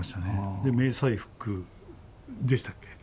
で、迷彩服でしたっけ。